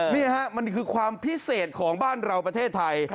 นี่ฮะมันคือความพิเศษของบ้านเราประเทศไทย